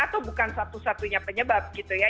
atau bukan satu satunya penyebab gitu ya